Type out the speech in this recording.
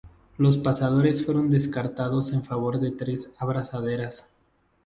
Los pasadores fueron descartados en favor de tres abrazaderas.